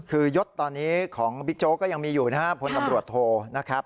คือยศตอนนี้ของบิ๊กโจ๊กก็ยังมีอยู่นะครับพลตำรวจโทนะครับ